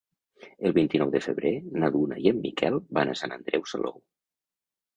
El vint-i-nou de febrer na Duna i en Miquel van a Sant Andreu Salou.